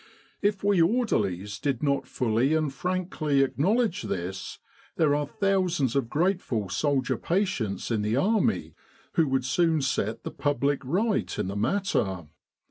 If we orderlies did not fully and frankly acknowledge this, there are thousands of grateful soldier patients in the Army who would soon set the public right in the matter.